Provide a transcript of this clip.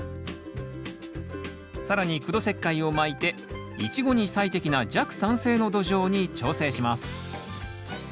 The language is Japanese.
更に苦土石灰をまいてイチゴに最適な弱酸性の土壌に調整します。